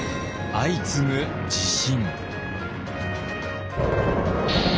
相次ぐ地震。